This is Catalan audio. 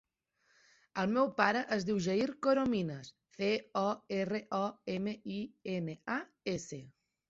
El meu pare es diu Jair Corominas: ce, o, erra, o, ema, i, ena, a, essa.